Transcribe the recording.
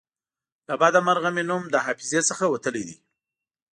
له بده مرغه مې نوم له حافظې څخه وتلی دی.